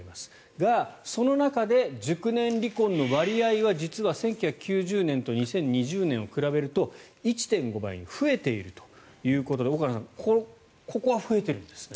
が、その中で熟年離婚の割合は実は１９９０年と２０２０年を比べると１．５倍に増えているということで岡野さんここは増えているんですね。